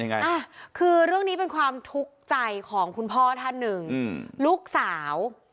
แม่ของน้องค่ะแม่ของน้องค่ะ